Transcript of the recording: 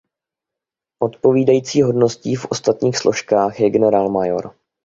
Odpovídající hodností v ostatních složkách je generálmajor.